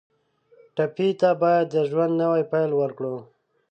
ټپي ته باید د ژوند نوی پیل ورکړو.